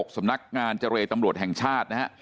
สำนักงานเจรเวทัมโลศ์แห่งชาตินะฮะ